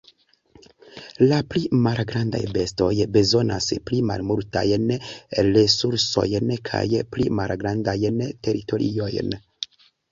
La pli malgrandaj bestoj bezonas pli malmultajn resursojn kaj pli malgrandajn teritoriojn.